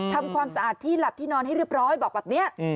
ทำความสะอาดที่หลับที่นอนให้เรียบร้อยบอกแบบนี้